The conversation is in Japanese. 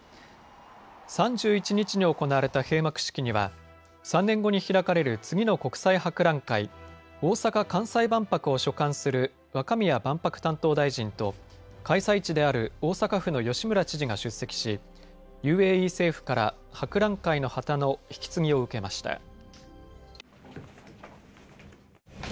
３１日に行われた閉幕式には３年後に開かれる次の国際博覧会、大阪・関西万博を所管する若宮万博担当大臣と開催地である大阪府の吉村知事が出席し、ＵＡＥ政府から博覧会の旗の引き継ぎを受けました。